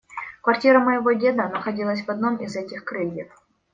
Квартира моего деда находилась в одном из этих крыльев.